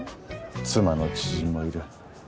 妻の知人もいる。